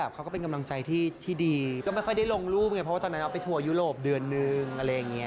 เพราะอ๊อออฟไปทัวร์ยุโรปเดือนนึง